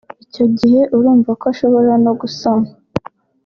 icyo gihe urumva ko ashobora no gusama